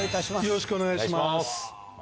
よろしくお願いします。